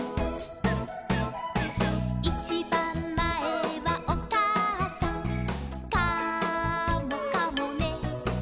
「いちばんまえはおかあさん」「カモかもね」